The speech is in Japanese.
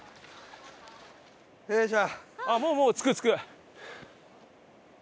よいしょ。